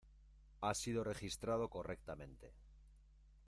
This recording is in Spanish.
Ha sido registrado correctamente.